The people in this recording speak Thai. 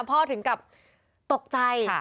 ถึงกับตกใจ